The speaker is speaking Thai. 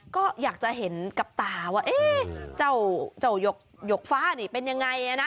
ก็อยากจะเห็นกับตาว่าเจ้าหยกฟ้านี่เป็นยังไงนะ